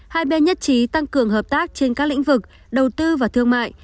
hai bên nhất trí tăng cường hợp tác trên các lĩnh vực đầu tư và thương mại